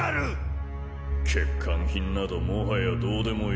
欠陥品などもはやどうでもいい。